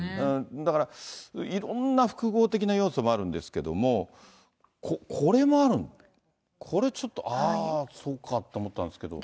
だから、いろんな複合的な要素もあるんですけども、これもある、これちょっと、ああ、そうかと思ったんですけど。